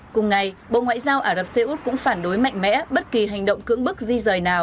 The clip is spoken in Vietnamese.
cùng ngày bộ ngoại giao ả rập xê út cũng phản đối mạnh mẽ bất kỳ hành động cực kỳ